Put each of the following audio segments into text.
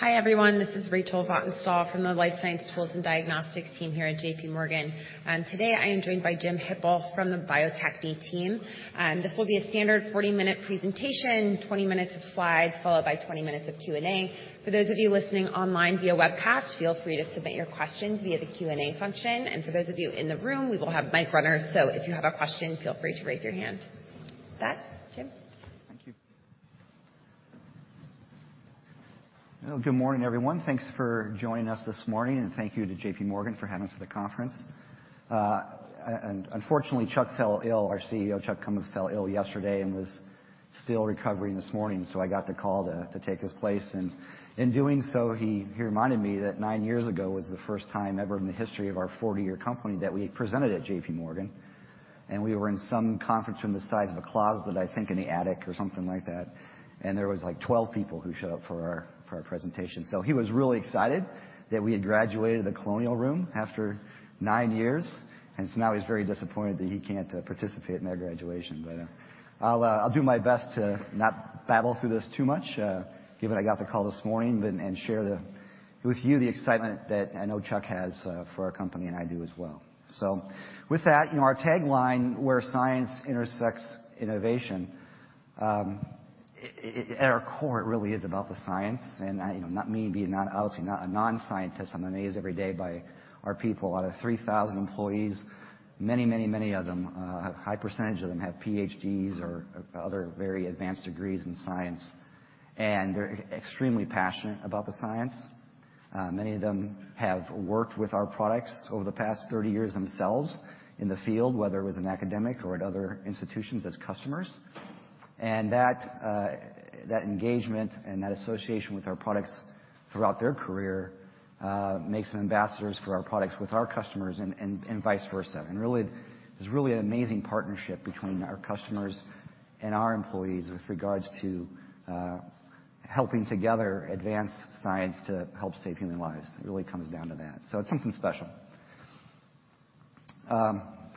Hi, everyone. This is Rachel Vatnsdal from the Life Science Tools and Diagnostics team here at JPMorgan. today, I am joined by Jim Hippel from the Bio-Techne team. this will be a standard 40-minute presentation, 20 minutes of slides, followed by 20 minutes of Q&A. For those of you listening online via webcast, feel free to submit your questions via the Q&A function. For those of you in the room, we will have mic runners, so if you have a question, feel free to raise your hand. With that, Jim. Thank you. Well, good morning, everyone. Thanks for joining us this morning, and thank you to JPMorgan for having us for the conference. Unfortunately, Chuck fell ill, our CEO, Chuck Kummeth, fell ill yesterday and was still recovering this morning, so I got the call to take his place. In doing so, he reminded me that nine years ago was the first time ever in the history of our 40-year company that we had presented at JPMorgan, and we were in some conference room the size of a closet, I think in the attic or something like that. There was, like, 12 people who showed up for our presentation. He was really excited that we had graduated the Colonial Room after nine years, and so now he's very disappointed that he can't participate in our graduation. I'll do my best to not babble through this too much, given I got the call this morning, and share with you the excitement that I know Chuck has for our company, and I do as well. With that, you know, our tagline, where science intersects innovation, at our core, it really is about the science and, you know, not me being, obviously not a non-scientist, I'm amazed every day by our people. Out of 3,000 employees, many of them, a high percent of them have PhDs or other very advanced degrees in science, and they're extremely passionate about the science. Many of them have worked with our products over the past 30 years themselves in the field, whether it was in academic or at other institutions as customers. That engagement and that association with our products throughout their career makes them ambassadors for our products with our customers and vice versa. Really, there's really an amazing partnership between our customers and our employees with regards to helping together advance science to help save human lives. It really comes down to that. It's something special. Of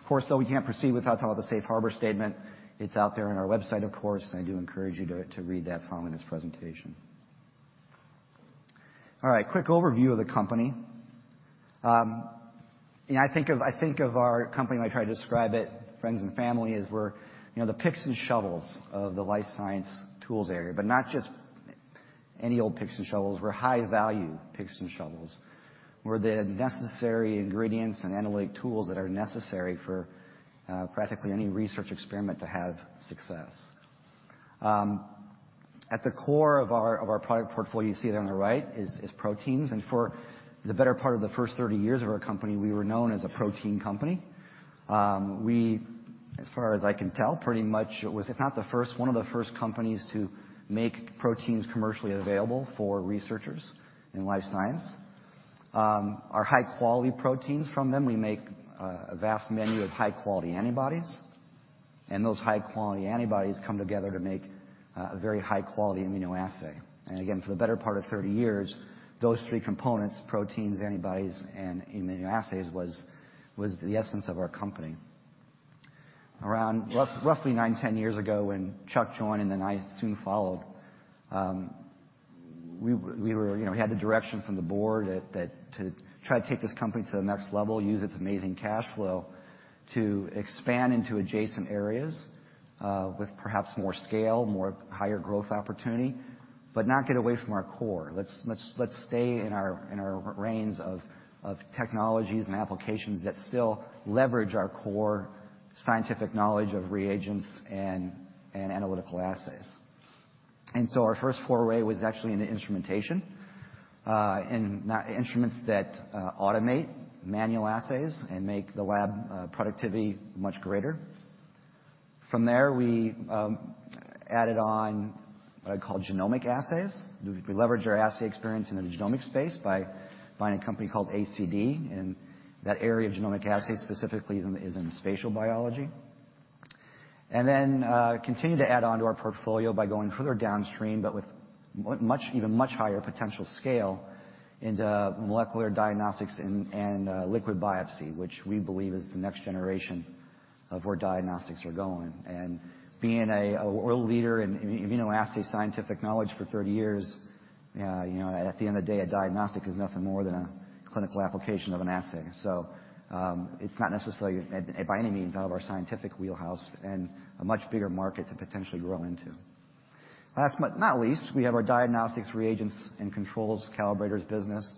course, though we can't proceed without telling the safe harbor statement. It's out there on our website, of course, and I do encourage you to read that following this presentation. All right, quick overview of the company. You know, I think of our company when I try to describe it, friends and family, as we're, you know, the picks and shovels of the life science tools area, but not just any old picks and shovels. We're high-value picks and shovels. We're the necessary ingredients and analytic tools that are necessary for practically any research experiment to have success. At the core of our product portfolio, you see it on the right, is proteins. For the better part of the first 30 years of our company, we were known as a protein company. We, as far as I can tell, pretty much was, if not the first, one of the first companies to make proteins commercially available for researchers in life science. Our high-quality proteins from them, we make a vast menu of high-quality antibodies, and those high-quality antibodies come together to make a very high-quality immunoassay. Again, for the better part of 30 years, those three components, proteins, antibodies, and immunoassays was the essence of our company. Roughly nine, 10 years ago, when Chuck joined, I soon followed, we, you know, had the direction from the board that to try to take this company to the next level, use its amazing cash flow to expand into adjacent areas, with perhaps more scale, more higher growth opportunity, not get away from our core. Let's stay in our reins of technologies and applications that still leverage our core scientific knowledge of reagents and analytical assays. Our first foray was actually into instrumentation, in instruments that automate manual assays and make the lab productivity much greater. From there, we added on what I'd call genomic assays. We leveraged our assay experience in the genomic space by buying a company called ACD. That area of genomic assays specifically is in spatial biology. Continued to add on to our portfolio by going further downstream, but with much, even much higher potential scale into molecular diagnostics and liquid biopsy, which we believe is the next generation of where diagnostics are going. Being a world leader in immunoassay scientific knowledge for 30 years, you know, at the end of the day, a diagnostic is nothing more than a clinical application of an assay. It's not necessarily by any means out of our scientific wheelhouse and a much bigger market to potentially grow into. Last but not least, we have our diagnostics reagents and controls calibrators business.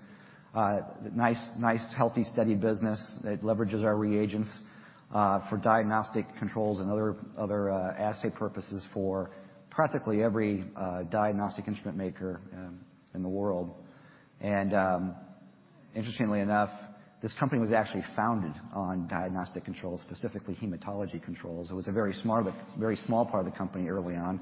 Nice, healthy, steady business that leverages our reagents for diagnostic controls and other assay purposes for practically every diagnostic instrument maker in the world. Interestingly enough, this company was actually founded on diagnostic controls, specifically hematology controls. It was a very small part of the company early on.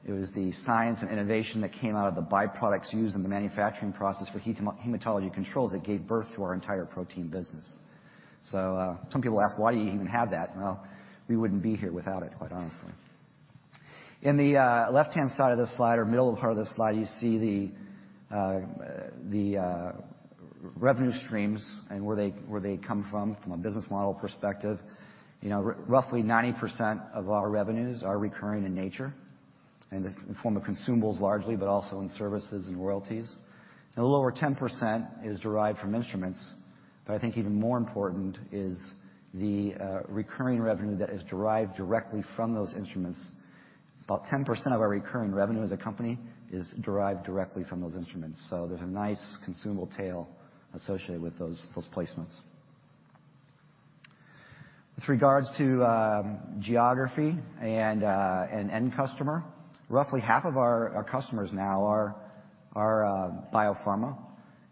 It was the science and innovation that came out of the byproducts used in the manufacturing process for hematology controls that gave birth to our entire protein business. Some people ask, "Why do you even have that?" Well, we wouldn't be here without it, quite honestly. In the left-hand side of this slide or middle part of this slide, you see the revenue streams and where they come from a business model perspective. You know, roughly 90% of our revenues are recurring in nature, and in the form of consumables largely, but also in services and royalties. The lower 10% is derived from instruments, but I think even more important is the recurring revenue that is derived directly from those instruments. About 10% of our recurring revenue as a company is derived directly from those instruments. There's a nice consumable tail associated with those placements. With regards to geography and end customer, roughly half of our customers now are biopharma.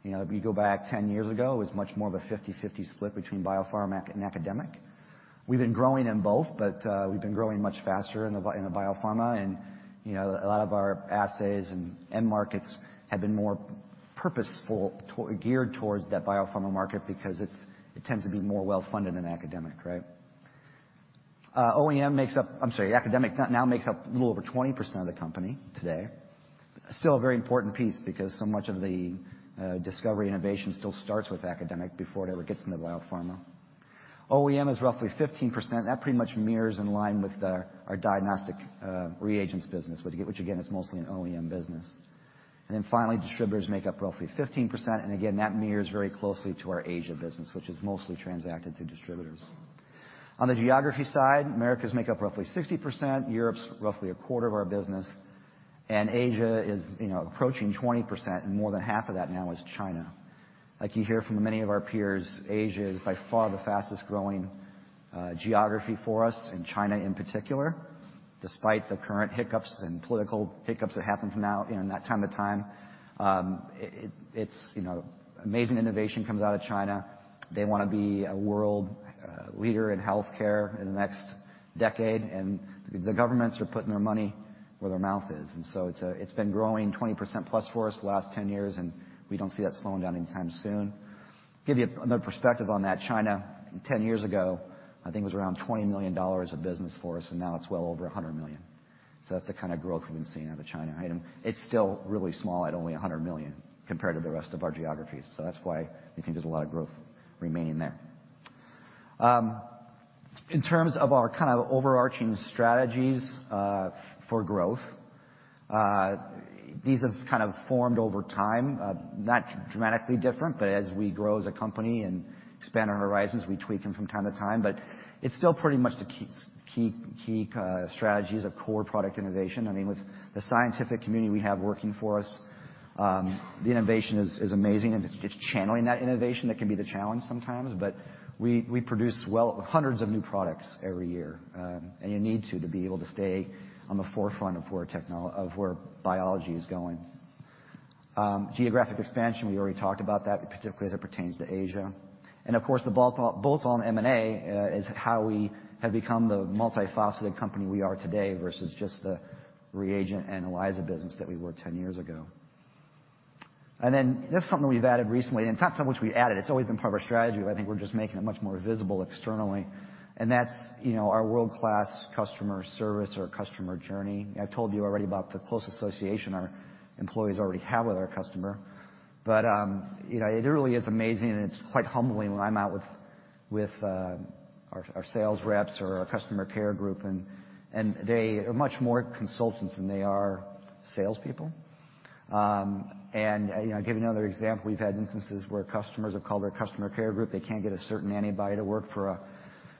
You know, if you go back 10 years ago, it was much more of a 50/50 split between biopharma and academic. We've been growing in both, but we've been growing much faster in the biopharma. You know, a lot of our assays and end markets have been more purposeful geared towards that biopharma market because it tends to be more well-funded than academic, right? OEM makes up... I'm sorry, academic now makes up a little over 20% of the company today. Still a very important piece because so much of the discovery innovation still starts with academic before it ever gets into the biopharma. OEM is roughly 15%. That pretty much mirrors in line with our diagnostic, reagents business, which again is mostly an OEM business. Finally, distributors make up roughly 15%. Again, that mirrors very closely to our Asia business, which is mostly transacted through distributors. On the geography side, Americas make up roughly 60%, Europe's roughly a quarter of our business, and Asia is, you know, approaching 20%, and more than half of that now is China. Like you hear from many of our peers, Asia is by far the fastest-growing geography for us, and China in particular, despite the current hiccups and political hiccups that happen from now, you know, from time to time. It's, you know, amazing innovation comes out of China. They wanna be a world leader in healthcare in the next decade, and the governments are putting their money where their mouth is. It's been growing 20%+ for us the last 10 years, and we don't see that slowing down anytime soon. Give you another perspective on that. China, 10 years ago, I think it was around $20 million of business for us, and now it's well over $100 million. That's the kind of growth we've been seeing out of China. Item, it's still really small at only $100 million compared to the rest of our geographies. That's why we think there's a lot of growth remaining there. In terms of our kind of overarching strategies for growth, these have kind of formed over time. Not dramatically different, but as we grow as a company and expand our horizons, we tweak them from time to time. It's still pretty much the key, key strategy is a core product innovation. I mean, with the scientific community we have working for us, the innovation is amazing and it's channeling that innovation that can be the challenge sometimes. We produce hundreds of new products every year. You need to be able to stay on the forefront of where biology is going. Geographic expansion, we already talked about that, particularly as it pertains to Asia. Of course, the bolt-on M&A is how we have become the multifaceted company we are today versus just the reagent and ELISA business that we were 10 years ago. This is something we've added recently, it's not something which we added, it's always been part of our strategy, I think we're just making it much more visible externally, that's, you know, our world-class customer service or customer journey. I've told you already about the close association our employees already have with our customer, but, you know, it really is amazing and it's quite humbling when I'm out with our sales reps or our customer care group and they are much more consultants than they are salespeople. You know, I'll give you another example. We've had instances where customers have called our customer care group, they can't get a certain antibody to work for a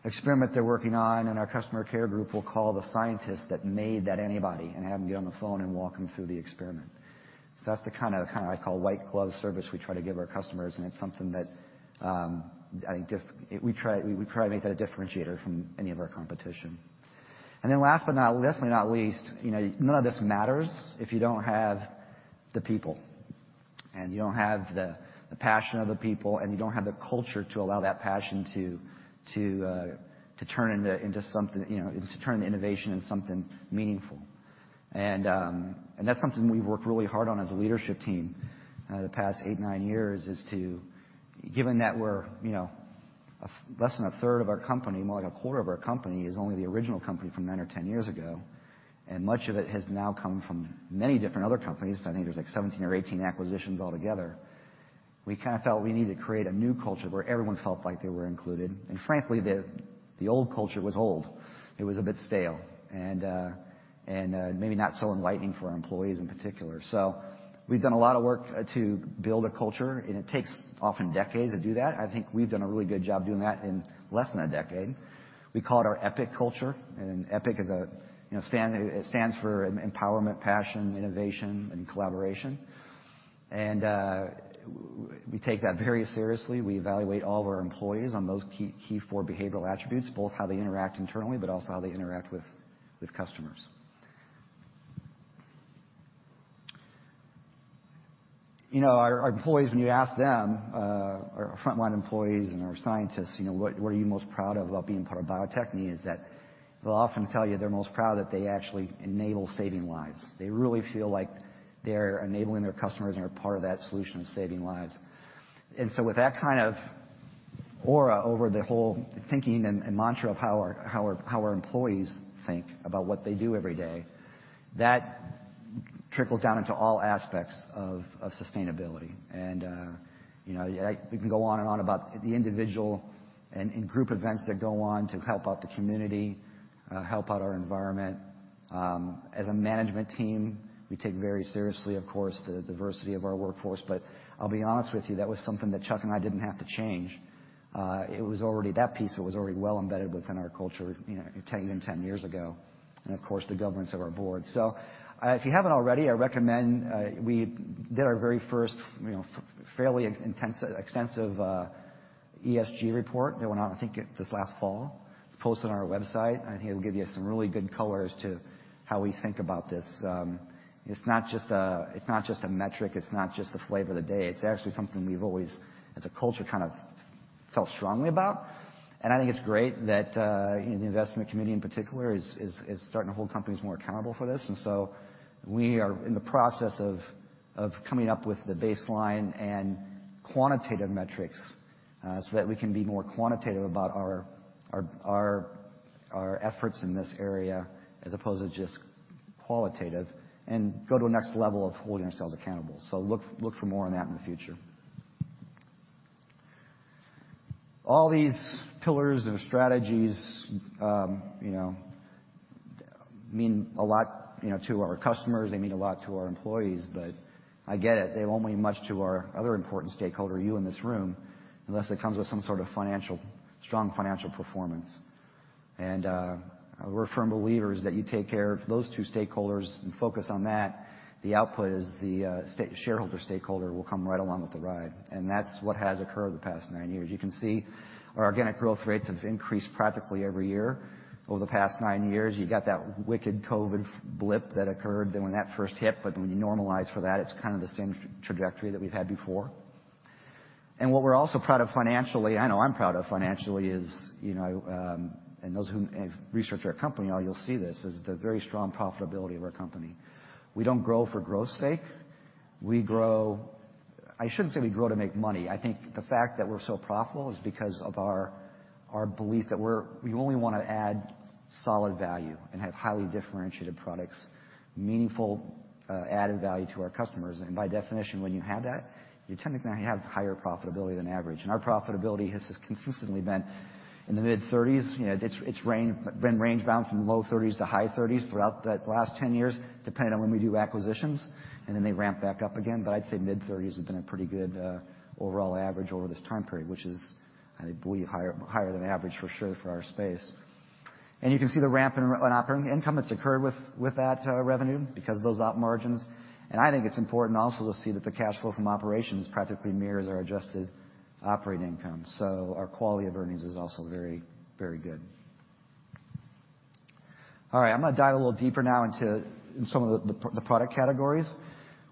experiment they're working on, and our customer care group will call the scientist that made that antibody and have him get on the phone and walk them through the experiment. That's the kinda, I call white glove service we try to give our customers and it's something that, I think we try to make that a differentiator from any of our competition. Last definitely not least, you know, none of this matters if you don't have the people and you don't have the passion of the people, and you don't have the culture to allow that passion to turn into something, you know, to turn the innovation into something meaningful. That's something we've worked really hard on as a leadership team, the past eight, nine years, is to, given that we're, you know, less than a third of our company, more like a quarter of our company is only the original company from nine or 10 years ago. Much of it has now come from many different other companies. I think there's like 17 or 18 acquisitions altogether. We kind of felt we needed to create a new culture where everyone felt like they were included. Frankly, the old culture was old, it was a bit stale, and maybe not so enlightening for our employees in particular. We've done a lot of work to build a culture, and it takes often decades to do that. I think we've done a really good job doing that in less than a decade. We call it our EPIC culture, and EPIC is a, you know, it stands for Empowerment, Passion, Innovation, and Collaboration. We take that very seriously. We evaluate all of our employees on those key four behavioral attributes, both how they interact internally, but also how they interact with customers. You know, our employees, when you ask them, our frontline employees and our scientists, you know, "What are you most proud of about being part of Bio-Techne?" Is that they'll often tell you they're most proud that they actually enable saving lives. They really feel like they're enabling their customers and are part of that solution of saving lives. With that kind of Aura over the whole thinking and mantra of how our employees think about what they do every day, that trickles down into all aspects of sustainability. You know, we can go on and on about the individual and group events that go on to help out the community, help out our environment. As a management team, we take very seriously, of course, the diversity of our workforce. I'll be honest with you, that was something that Chuck and I didn't have to change. That piece was already well embedded within our culture, you know, 10, even 10 years ago, and of course, the governance of our board. If you haven't already, I recommend, we did our very first, you know, fairly intense, extensive, ESG report that went on, I think, this last fall. It's posted on our website. I think it'll give you some really good color as to how we think about this. It's not just a metric. It's not just the flavor of the day. It's actually something we've always, as a culture, kind of felt strongly about. I think it's great that, you know, the investment committee in particular is starting to hold companies more accountable for this. We are in the process of coming up with the baseline and quantitative metrics so that we can be more quantitative about our efforts in this area as opposed to just qualitative and go to a next level of holding ourselves accountable. Look for more on that in the future. All these pillars and strategies, you know, mean a lot, you know, to our customers, they mean a lot to our employees. I get it, they won't mean much to our other important stakeholder, you in this room, unless it comes with some sort of strong financial performance. We're firm believers that you take care of those two stakeholders and focus on that, the output is the shareholder stakeholder will come right along with the ride. That's what has occurred the past nine years. You can see our organic growth rates have increased practically every year over the past nine years. You got that wicked COVID blip that occurred then when that first hit, but when you normalize for that, it's kind of the same trajectory that we've had before. What we're also proud of financially, I know I'm proud of financially, is, you know, and those who have researched our company, you'll see this, is the very strong profitability of our company. I shouldn't say we grow to make money. I think the fact that we're so profitable is because of our belief that we only wanna add solid value and have highly differentiated products, meaningful added value to our customers. By definition, when you have that, you tend to have higher profitability than average. Our profitability has consistently been in the mid-thirties. You know, it's been range bound from low thirties to high thirties throughout the last 10 years, depending on when we do acquisitions, and then they ramp back up again. I'd say mid-30s has been a pretty good overall average over this time period, which is, I believe, higher than average for sure, for our space. You can see the ramp in operating income that's occurred with that revenue because of those op margins. I think it's important also to see that the cash flow from operations practically mirrors our adjusted operating income. Our quality of earnings is also very good. All right, I'm gonna dive a little deeper now into some of the product categories.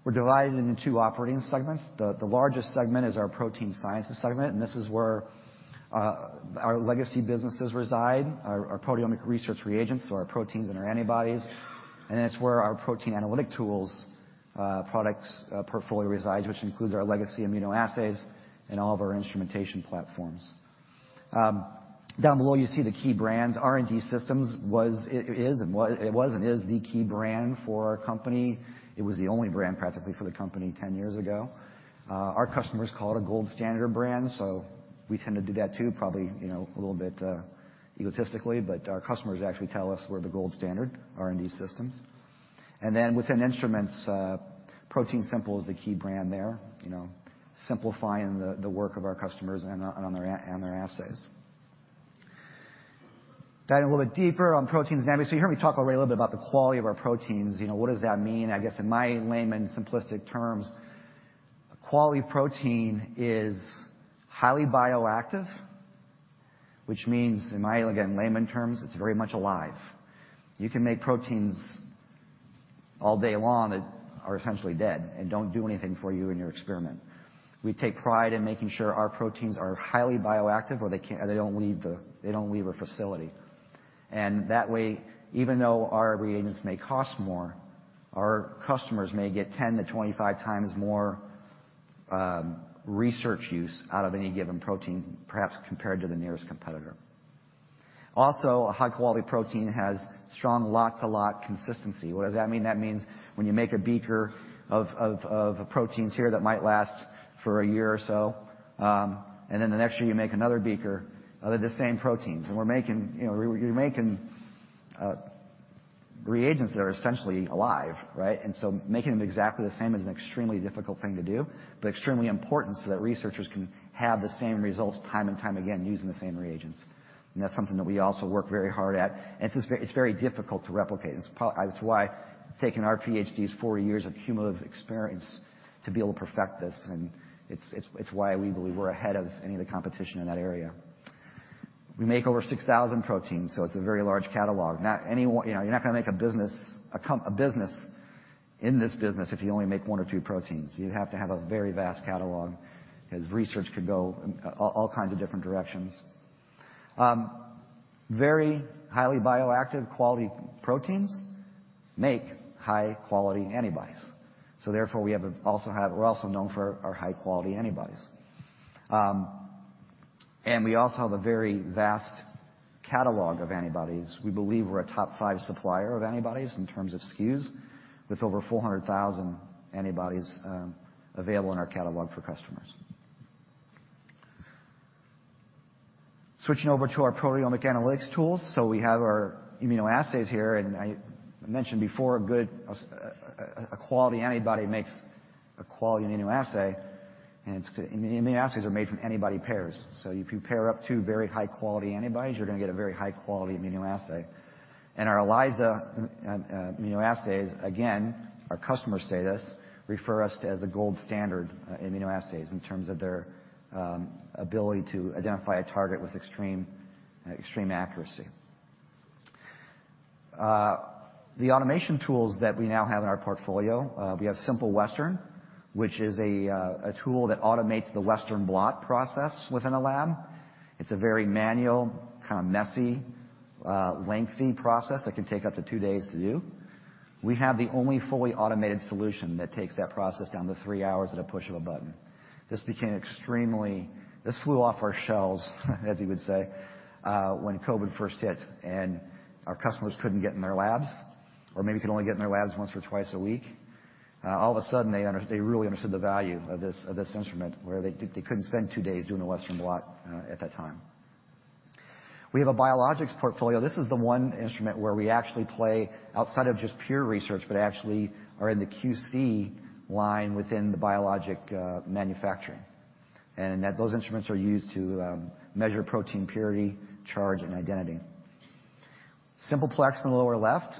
We're divided into two operating segments. The largest segment is our protein sciences segment, and this is where our legacy businesses reside, our proteomic research reagents, so our proteins and our antibodies. It's where our protein analytic tools products portfolio resides, which includes our legacy immunoassays and all of our instrumentation platforms. Down below, you see the key brands. R&D Systems was and is the key brand for our company. It was the only brand practically for the company 10 years ago. Our customers call it a gold standard brand, so we tend to do that too, probably, you know, a little bit egotistically, but our customers actually tell us we're the gold standard R&D Systems. Within instruments, ProteinSimple is the key brand there, you know, simplifying the work of our customers and on their assays. Diving a little bit deeper on proteins. You heard me talk a little bit about the quality of our proteins, you know, what does that mean? I guess in my layman simplistic terms, a quality protein is highly bioactive, which means, in my, again, layman terms, it's very much alive. You can make proteins all day long that are essentially dead and don't do anything for you in your experiment. We take pride in making sure our proteins are highly bioactive or they don't leave our facility. That way, even though our reagents may cost more, our customers may get 10 to 25x more research use out of any given protein, perhaps compared to the nearest competitor. Also, a high-quality protein has strong lot to lot consistency. What does that mean? That means when you make a beaker of proteins here that might last for a year or so, and then the next year you make another beaker of the same proteins, and we're making, you know, we're making reagents that are essentially alive, right? Making them exactly the same is an extremely difficult thing to do, but extremely important so that researchers can have the same results time and time again using the same reagents. That's something that we also work very hard at. It's just very, it's very difficult to replicate. It's why it's taken our PhDs four years of cumulative experience to be able to perfect this. It's why we believe we're ahead of any of the competition in that area. We make over 6,000 proteins, so it's a very large catalog. You know, you're not gonna make a business, a business in this business if you only make one or two proteins. You have to have a very vast catalog as research could go all kinds of different directions. Very highly bioactive quality proteins make high-quality antibodies. We're also known for our high-quality antibodies. We also have a very vast catalog of antibodies. We believe we're a top five supplier of antibodies in terms of SKUs, with over 400,000 antibodies available in our catalog for customers. Switching over to our proteomic analytics tools. We have our immunoassays here. I mentioned before, a good quality antibody makes a quality immunoassay. Immunoassays are made from antibody pairs. If you pair up two very high-quality antibodies, you're gonna get a very high-quality immunoassay. Our ELISA immunoassays, again, our customers say this, refer us as the gold standard immunoassays in terms of their ability to identify a target with extreme accuracy. The automation tools that we now have in our portfolio, we have Simple Western, which is a tool that automates the Western blot process within a lab. It's a very manual, kinda messy, lengthy process that can take up to two days to do. We have the only fully automated solution that takes that process down to three hours at a push of a button. This flew off our shelves, as you would say, when COVID first hit and our customers couldn't get in their labs or maybe could only get in their labs once or twice a week. All of a sudden, they really understood the value of this, of this instrument, where they couldn't spend two days doing a Western blot at that time. We have a biologics portfolio. This is the one instrument where we actually play outside of just pure research, but actually are in the QC line within the biologic manufacturing. Those instruments are used to measure protein purity, charge, and identity. Simple Plex in the lower left,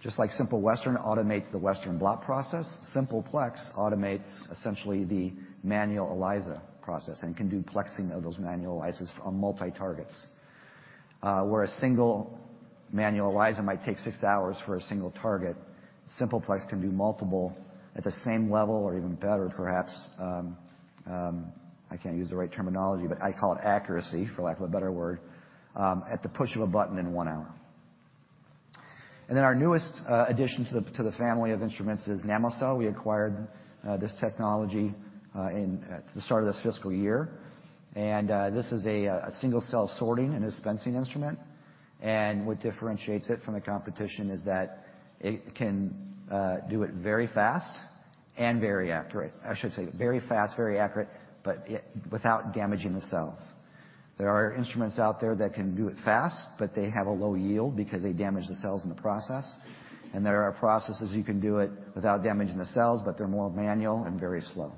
just like Simple Western automates the Western blot process, Simple Plex automates essentially the manual ELISA process and can do plexing of those manual ELISAs on multi targets. Where a single manual ELISA might take six hours for a single target, Simple Plex can do multiple at the same level or even better, perhaps, I can't use the right terminology, but I call it accuracy, for lack of a better word, at the push of a button in one hour. Our newest addition to the family of instruments is Namocell. We acquired this technology in the start of this fiscal year. This is a single-cell sorting and dispensing instrument. What differentiates it from the competition is that it can do it very fast and very accurate. I should say very fast, very accurate, without damaging the cells. There are instruments out there that can do it fast, but they have a low yield because they damage the cells in the process. There are processes you can do it without damaging the cells, but they're more manual and very slow.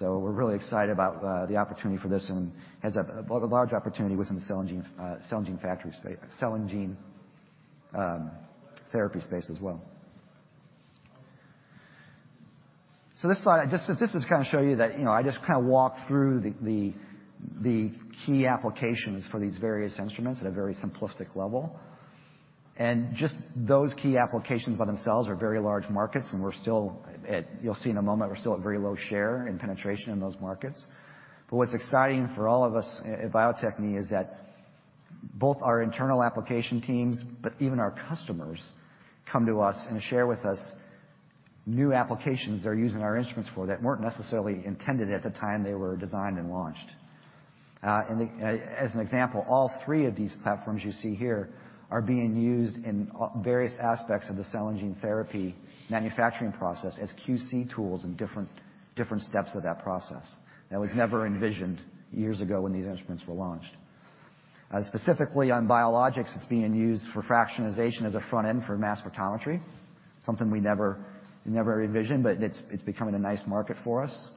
We're really excited about the opportunity for this, and has a large opportunity within the cell and gene cell and gene factory space cell and gene therapy space as well. This slide, just to kinda show you that, you know, I just kinda walked through the key applications for these various instruments at a very simplistic level. Just those key applications by themselves are very large markets, and we're still at, you'll see in a moment, we're still at very low share and penetration in those markets. What's exciting for all of us at Bio-Techne is that both our internal application teams, but even our customers, come to us and share with us new applications they're using our instruments for that weren't necessarily intended at the time they were designed and launched. As an example, all three of these platforms you see here are being used in various aspects of the cell and gene therapy manufacturing process as QC tools in different steps of that process. That was never envisioned years ago when these instruments were launched. Specifically on biologics, it's being used for fractionation as a front end for mass spectrometry. Something we never envisioned, but it's becoming a nice market for us.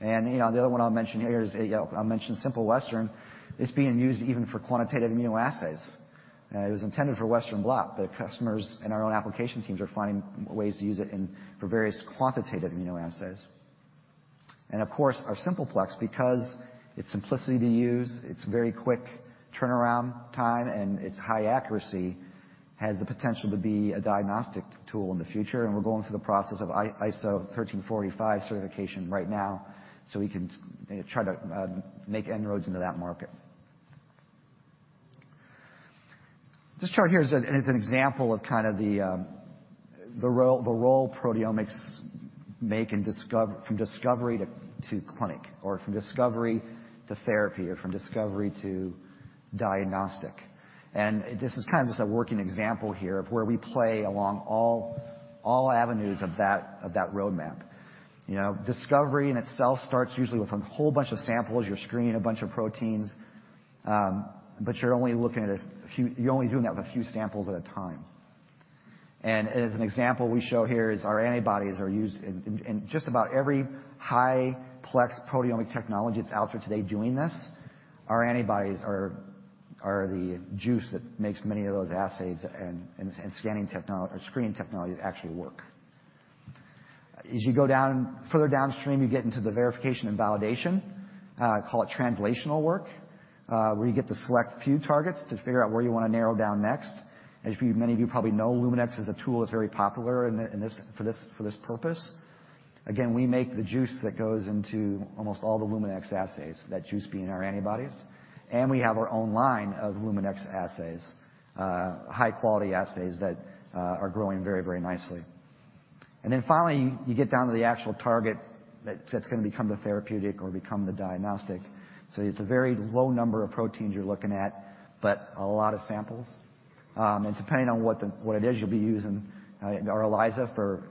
You know, the other one I'll mention here is, you know, I'll mention Simple Western. It's being used even for quantitative immunoassays. It was intended for Western blot, but customers and our own application teams are finding ways to use it for various quantitative immunoassays. Of course, our Simple Plex, because its simplicity to use, its very quick turnaround time, and its high accuracy, has the potential to be a diagnostic tool in the future, and we're going through the process of ISO 13485 certification right now, so we can try to make inroads into that market. This chart here is an example of kind of the role proteomics make from discovery to clinic or from discovery to therapy or from discovery to diagnostic. This is kind of just a working example here of where we play along all avenues of that roadmap. You know, discovery in itself starts usually with a whole bunch of samples. You're screening a bunch of proteins, but you're only doing that with a few samples at a time. As an example we show here is our antibodies are used in just about every high plex proteomic technology that's out there today doing this. Our antibodies are the juice that makes many of those assays and screening technologies actually work. As you go down, further downstream, you get into the verification and validation, call it translational work, where you get to select a few targets to figure out where you wanna narrow down next. Many of you probably know, Luminex is a tool that's very popular for this purpose. We make the juice that goes into almost all the Luminex assays, that juice being our antibodies, and we have our own line of Luminex assays, high quality assays that are growing very, very nicely. Finally, you get down to the actual target that's gonna become the therapeutic or become the diagnostic. It's a very low number of proteins you're looking at, but a lot of samples. Depending on what it is you'll be using, our ELISA for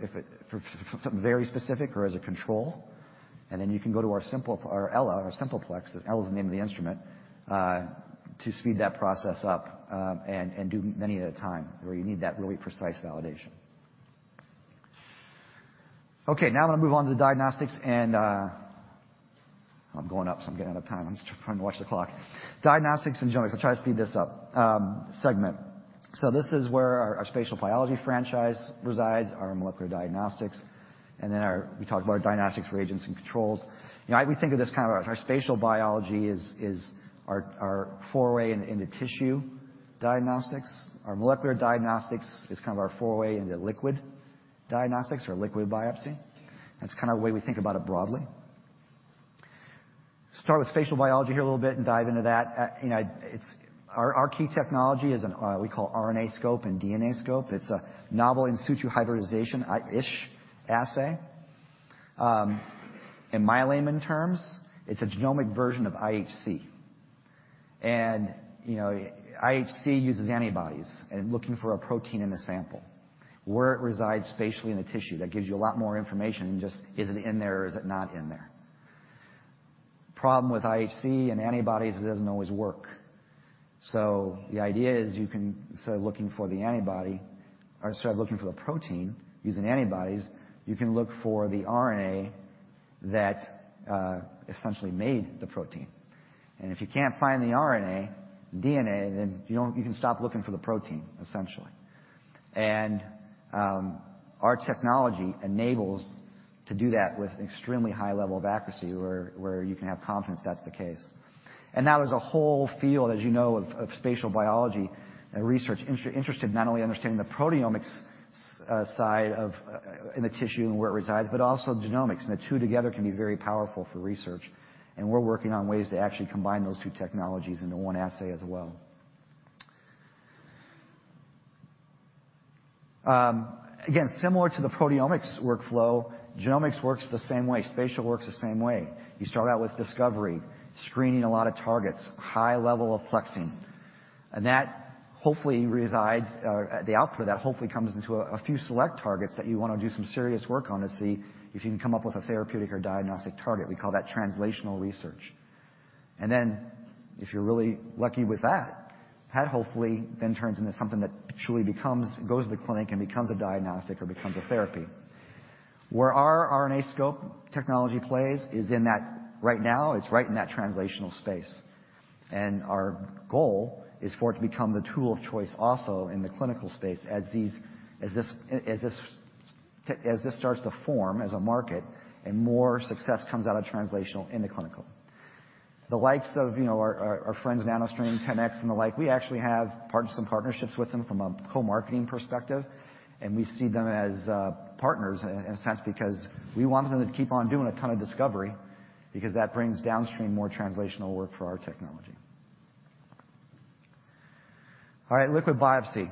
something very specific or as a control, and then you can go to our Ella, our Simple Plex, Ella's the name of the instrument to speed that process up, and do many at a time where you need that really precise validation. Okay, now I'm gonna move on to diagnostics. I'm going up, so I'm getting out of time. I'm just trying to watch the clock. Diagnostics and genomics. I'll try to speed this up, segment. This is where our spatial biology franchise resides, our molecular diagnostics, and then we talked about our diagnostics reagents and controls. You know, we think of this kind of our spatial biology is our foray into tissue diagnostics. Our molecular diagnostics is kind of our foray into liquid diagnostics or liquid biopsy. That's kind of the way we think about it broadly. Start with spatial biology here a little bit and dive into that. you know, Our key technology is an, we call RNAscope and DNAscope. It's a novel in situ hybridization, ISH assay. In my layman terms, it's a genomic version of IHC. you know, IHC uses antibodies and looking for a protein in a sample, where it resides spatially in the tissue, that gives you a lot more information than just is it in there or is it not in there? Problem with IHC and antibodies, it doesn't always work. The idea is you can instead of looking for the antibody or instead of looking for the protein using antibodies, you can look for the RNA that essentially made the protein. If you can't find the RNA, DNA, then you can stop looking for the protein, essentially. Our technology enables to do that with extremely high level of accuracy where you can have confidence that's the case. Now there's a whole field, as you know, of spatial biology research interested in not only understanding the proteomics side of in the tissue and where it resides, but also genomics. The two together can be very powerful for research, and we're working on ways to actually combine those two technologies into one assay as well. Again, similar to the proteomics workflow, genomics works the same way, spatial works the same way. You start out with discovery, screening a lot of targets, high level of plexing. That hopefully resides or the output of that hopefully comes into a few select targets that you wanna do some serious work on to see if you can come up with a therapeutic or diagnostic target. We call that translational research. Then if you're really lucky with that hopefully then turns into something that truly becomes, goes to the clinic and becomes a diagnostic or becomes a therapy. Where our RNAscope technology plays is in that right now it's right in that translational space, and our goal is for it to become the tool of choice also in the clinical space as this starts to form as a market and more success comes out of translational in the clinical. The likes of, you know, our friends, NanoString, 10x and the like, we actually have some partnerships with them from a co-marketing perspective, and we see them as partners in a sense, because we want them to keep on doing a ton of discovery because that brings downstream more translational work for our technology. All right, liquid biopsy.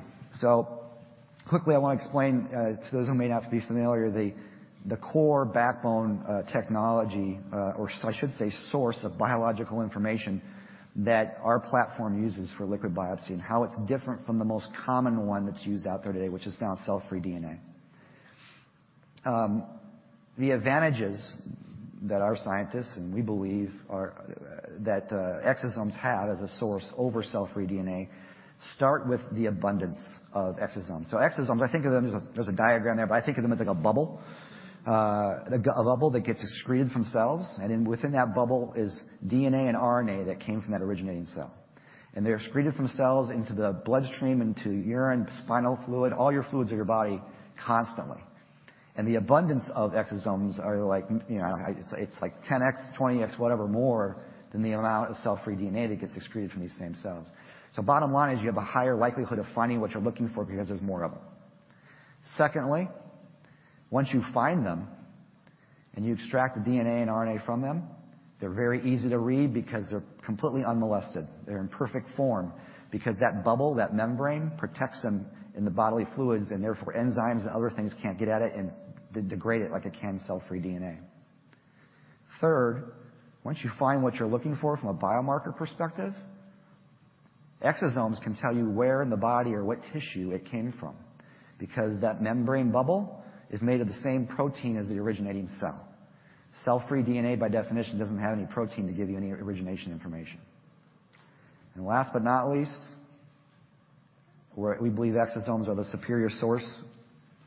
Quickly, I wanna explain to those who may not be familiar, the core backbone technology or I should say source of biological information that our platform uses for liquid biopsy and how it's different from the most common one that's used out there today, which is now cell-free DNA. The advantages that our scientists and we believe are that exosomes have as a source over cell-free DNA start with the abundance of exosomes. Exosomes, I think of them as There's a diagram there, but I think of them as like a bubble that gets excreted from cells, and then within that bubble is DNA and RNA that came from that originating cell. They're excreted from cells into the bloodstream, into urine, spinal fluid, all your fluids of your body constantly. The abundance of exosomes are like, you know, it's like 10x, 20x, whatever more than the amount of cell-free DNA that gets excreted from these same cells. Bottom line is you have a higher likelihood of finding what you're looking for because there's more of them. Secondly, once you find them and you extract the DNA and RNA from them, they're very easy to read because they're completely unmolested. They're in perfect form because that bubble, that membrane protects them in the bodily fluids and therefore enzymes and other things can't get at it and degrade it like it can cell-free DNA. Third, once you find what you're looking for from a biomarker perspective, exosomes can tell you where in the body or what tissue it came from because that membrane bubble is made of the same protein as the originating cell. Cell-free DNA, by definition, doesn't have any protein to give you any origination information. Last but not least, where we believe exosomes are the superior source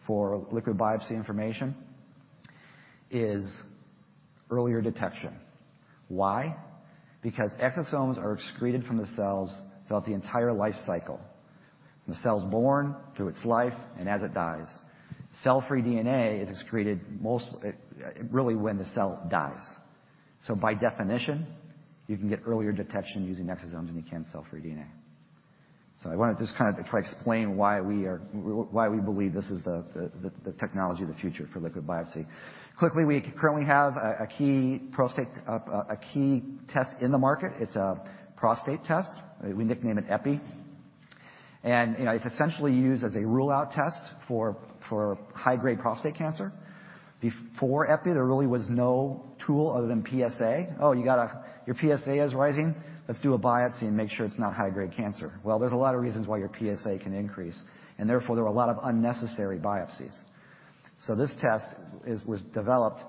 for liquid biopsy information is earlier detection. Why? Because exosomes are excreted from the cells throughout the entire life cycle, from the cell's born to its life and as it dies. Cell-free DNA is excreted most, really when the cell dies. By definition, you can get earlier detection using exosomes than you can cell-free DNA. I wanna just kind of try to explain why we believe this is the technology of the future for liquid biopsy. Quickly, we currently have a key test in the market. It's a prostate test. We nickname it EPI. You know, it's essentially used as a rule-out test for high-grade prostate cancer. Before EPI, there really was no tool other than PSA. Oh, your PSA is rising. Let's do a biopsy and make sure it's not high-grade cancer. Well, there's a lot of reasons why your PSA can increase, and therefore, there were a lot of unnecessary biopsies. This test was developed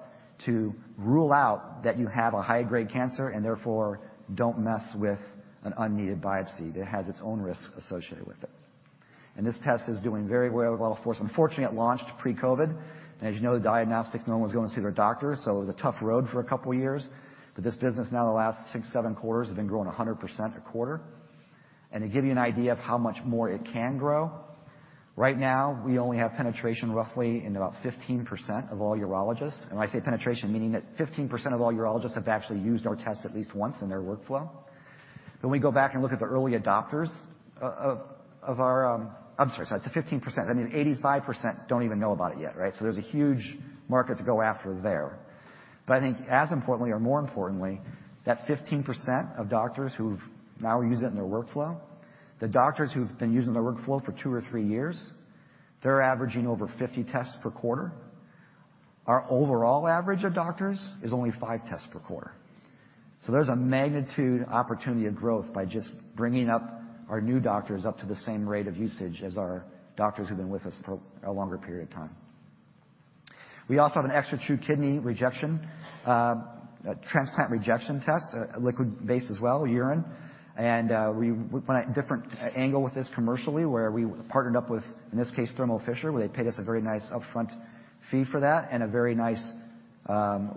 to rule out that you have a high-grade cancer, and therefore, don't mess with an unneeded biopsy that has its own risk associated with it. This test is doing very well. Of course, unfortunately, it launched pre-COVID, and as you know, the diagnostics, no one was going to see their doctors, so it was a tough road for a couple years. This business now in the last six, seven quarters has been growing 100% a quarter. To give you an idea of how much more it can grow, right now, we only have penetration roughly in about 15% of all urologists. When I say penetration, meaning that 15% of all urologists have actually used our tests at least once in their workflow. When we go back and look at the early adopters of our, I'm sorry. Sorry. It's a 15%. That means 85% don't even know about it yet, right? There's a huge market to go after there. I think as importantly or more importantly, that 15% of doctors who've now used it in their workflow, the doctors who've been using the workflow for two or three years, they're averaging over 50 tests per quarter. Our overall average of doctors is only five tests per quarter. There's a magnitude opportunity of growth by just bringing up our new doctors up to the same rate of usage as our doctors who've been with us for a longer period of time. We also have an ExoTRU kidney rejection, transplant rejection test, liquid-based as well, urine. We went at a different angle with this commercially, where we partnered up with, in this case, Thermo Fisher, where they paid us a very nice upfront fee for that and a very nice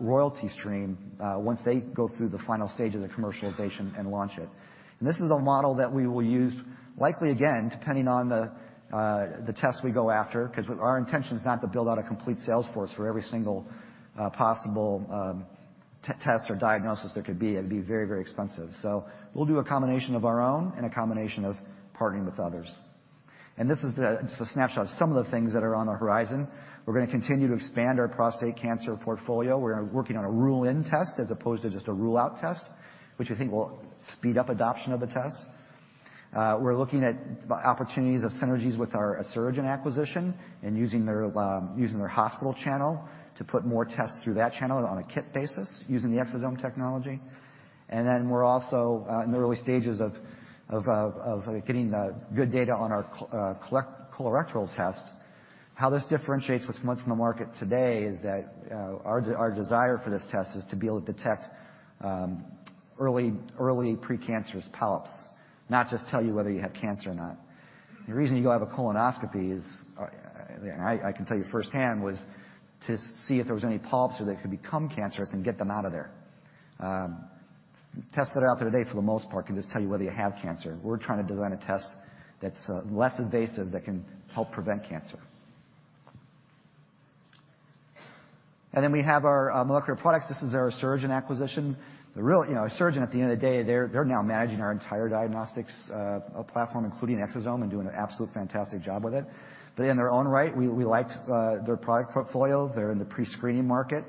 royalty stream once they go through the final stage of the commercialization and launch it. This is a model that we will use likely again, depending on the test we go after, 'cause our intention is not to build out a complete sales force for every single possible test or diagnosis there could be. It'd be very, very expensive. We'll do a combination of our own and a combination of partnering with others. This is a snapshot of some of the things that are on the horizon. We're gonna continue to expand our prostate cancer portfolio. We're working on a rule-in test as opposed to just a rule-out test, which we think will speed up adoption of the test. We're looking at opportunities of synergies with our Asuragen acquisition and using their hospital channel to put more tests through that channel on a kit basis using the exosome technology. We're also in the early stages of getting good data on our colorectal test. How this differentiates what's in the market today is that our desire for this test is to be able to detect early precancerous polyps, not just tell you whether you have cancer or not. The reason you have a colonoscopy is, I can tell you firsthand, was to see if there was any polyps so they could become cancerous and get them out of there. Tests that are out there today, for the most part, can just tell you whether you have cancer. We're trying to design a test that's less invasive, that can help prevent cancer. We have our molecular products. This is our Asuragen acquisition. You know, Asuragen, at the end of the day, they're now managing our entire diagnostics platform, including exosome, and doing an absolute fantastic job with it. In their own right, we liked their product portfolio. They're in the pre-screening market.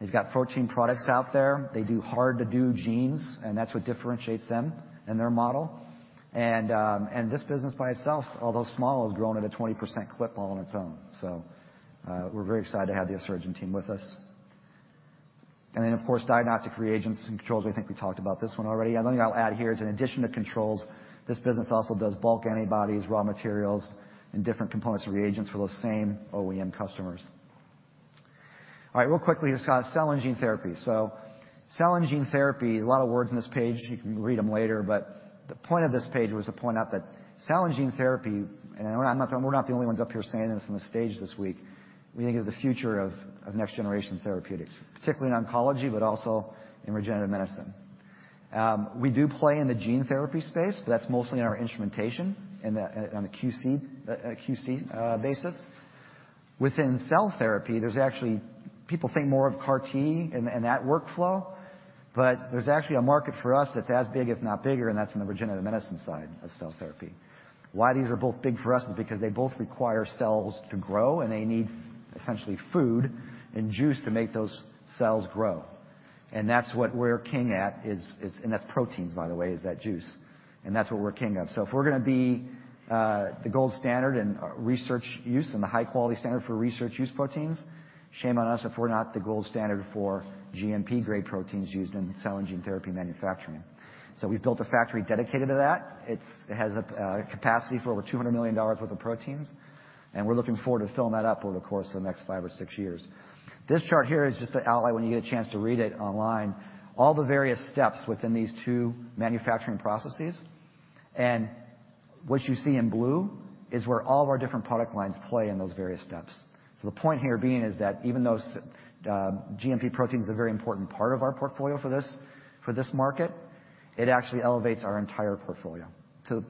They've got protein products out there. They do hard-to-do genes, that's what differentiates them and their model. This business by itself, although small, has grown at a 20% clip all on its own. We're very excited to have the Asuragen team with us. Of course, diagnostic reagents and controls. I think we talked about this one already. The only thing I'll add here is in addition to controls, this business also does bulk antibodies, raw materials, and different components of reagents for those same OEM customers. Real quickly, just cell and gene therapy. Cell and gene therapy, a lot of words in this page, you can read them later, but the point of this page was to point out that cell and gene therapy, and I'm not, we're not the only ones up here saying this on the stage this week, we think is the future of next generation therapeutics, particularly in oncology, but also in regenerative medicine. We do play in the gene therapy space, but that's mostly in our instrumentation on a QC basis. Within cell therapy, there's actually People think more of CAR-T and that workflow, but there's actually a market for us that's as big if not bigger, and that's in the regenerative medicine side of cell therapy. Why these are both big for us is because they both require cells to grow, and they need essentially food and juice to make those cells grow. That's what we're king at. That's proteins, by the way, is that juice, and that's what we're king of. If we're gonna be the gold standard in research use and the high-quality standard for research use proteins, shame on us if we're not the gold standard for GMP-grade proteins used in cell and gene therapy manufacturing. We've built a factory dedicated to that. It has a capacity for over $200 million worth of proteins, and we're looking forward to filling that up over the course of the next five or six years. This chart here is just to outline, when you get a chance to read it online, all the various steps within these two manufacturing processes. What you see in blue is where all of our different product lines play in those various steps. The point here being is that even though GMP proteins are a very important part of our portfolio for this, for this market, it actually elevates our entire portfolio. Yeah.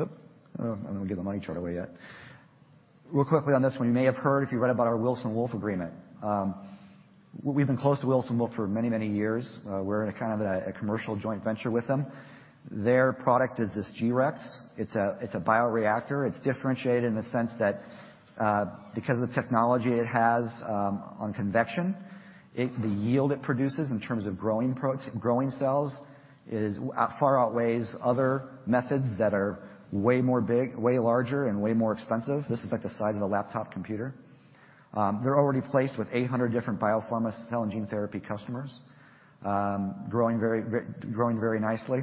Oop. Oh, I don't wanna give the money chart away yet. Real quickly on this one, you may have heard if you read about our Wilson Wolf agreement. We've been close to Wilson Wolf for many, many years. We're in a kind of a commercial joint venture with them. Their product is this G-Rex. It's a bioreactor. It's differentiated in the sense that because of technology it has on convection. The yield it produces in terms of growing cells far outweighs other methods that are way more big, way larger and way more expensive. This is like the size of a laptop computer. They're already placed with 800 different biopharma cell and gene therapy customers, growing very nicely.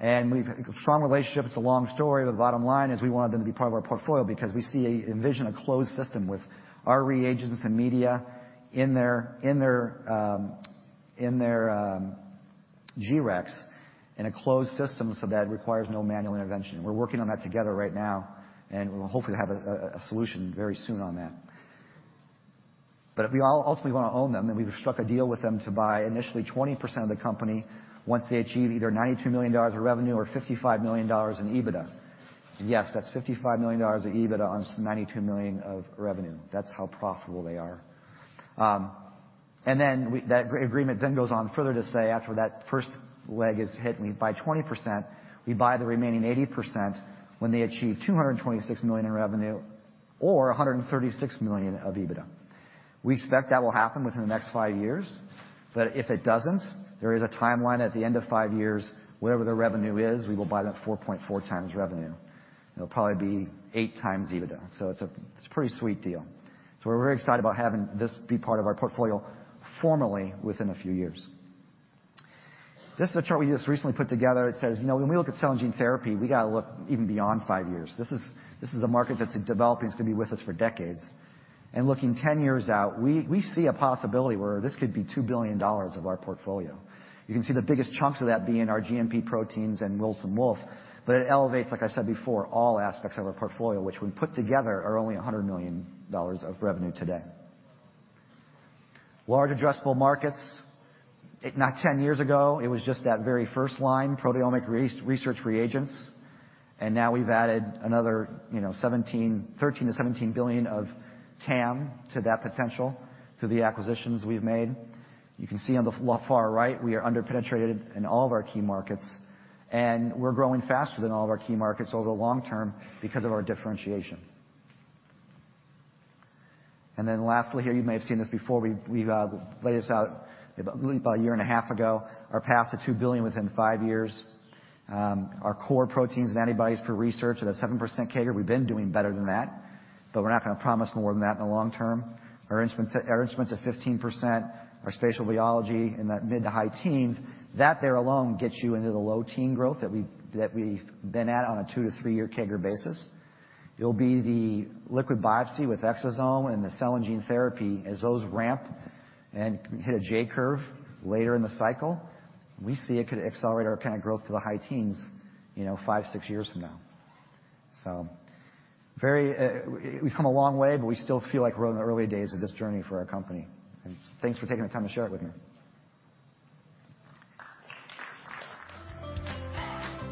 We've a strong relationship, it's a long story, but the bottom line is we wanted them to be part of our portfolio because we envision a closed system with our reagents and media in their, in their G-Rex in a closed system, so that requires no manual intervention. We're working on that together right now, we'll hopefully have a solution very soon on that. We all ultimately wanna own them, and we've struck a deal with them to buy initially 20% of the company once they achieve either $92 million of revenue or $55 million in EBITDA. Yes, that's $55 million of EBITDA on $92 million of revenue. That's how profitable they are. That agreement then goes on further to say after that first leg is hit and we buy 20%, we buy the remaining 80% when they achieve $226 million in revenue or $136 million of EBITDA. We expect that will happen within the next five years, but if it doesn't, there is a timeline at the end of five years, whatever the revenue is, we will buy that 4.4x revenue. It'll probably be 8x EBITDA. It's a pretty sweet deal. We're very excited about having this be part of our portfolio formally within a few years. This is a chart we just recently put together. It says, you know, when we look at cell and gene therapy, we gotta look even beyond five years. This is a market that's developing. It's gonna be with us for decades. Looking 10 years out, we see a possibility where this could be $2 billion of our portfolio. You can see the biggest chunks of that being our GMP proteins and Wilson Wolf. It elevates, like I said before, all aspects of our portfolio, which when put together are only $100 million of revenue today. Large addressable markets. Not 10 years ago, it was just that very first line, proteomics research reagents. Now we've added another, you know, $13 billion-$17 billion of TAM to that potential through the acquisitions we've made. You can see on the far right, we are under-penetrated in all of our key markets. We're growing faster than all of our key markets over the long term because of our differentiation. Lastly here, you may have seen this before. We've laid this out I believe about a year and a half ago. Our path to $2 billion within five years. Our core proteins and antibodies for research at a 7% CAGR. We've been doing better than that, we're not gonna promise more than that in the long term. Our instruments at 15%, our spatial biology in that mid-to-high teens. That there alone gets you into the low-teen growth that we've been at on a two to three-year CAGR basis. It'll be the liquid biopsy with exosome and the cell and gene therapy as those ramp and hit a J-curve later in the cycle, we see it could accelerate our kind of growth to the high-teens, you know, five, six years from now. Very, we've come a long way, but we still feel like we're in the early days of this journey for our company. Thanks for taking the time to share it with me.